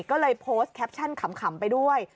ก็เลยโพสต์แคปชั่นขำไปด้วย